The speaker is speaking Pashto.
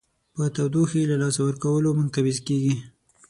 په تودوخې له لاسه ورکولو منقبض کیږي.